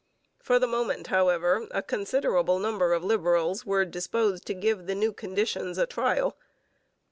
For the moment, however, a considerable number of Liberals were disposed to give the new conditions a trial.